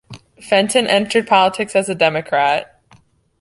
Fenton entered politics as a Democrat.